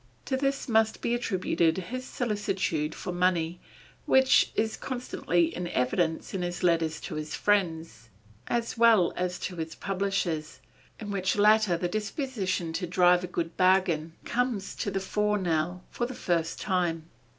To this must be attributed his solicitude for money which is constantly in evidence in his letters to his friends, as well as to his publishers, in which latter the disposition to drive a good bargain comes to the fore now for the first time.